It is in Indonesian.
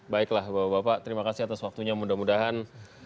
baiklah bapak bapak terima kasih atas waktunya mudah mudahan